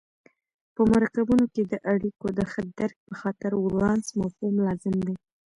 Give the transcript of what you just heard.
په مرکبونو کې د اړیکو د ښه درک په خاطر ولانس مفهوم لازم دی.